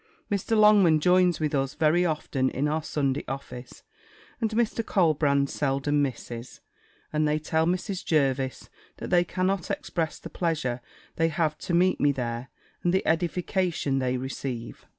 Mr. Longman joins with us very often in our Sunday office, and Mr. Colbrand seldom misses: and they tell Mrs. Jervis that they cannot express the pleasure they have to meet me there; and the edification they receive.